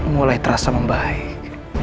mulai terasa membaik